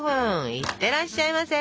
いってらっしゃいませ！